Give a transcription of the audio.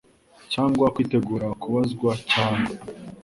cyangwa kwitegura kubazwa cyangwa